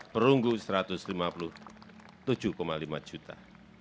perunggu satu ratus lima puluh tujuh lima juta